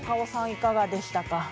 いかがでしたか？